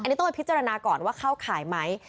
อันนี้ต้องไปพิจารณาก่อนว่าเข้าข่ายไหม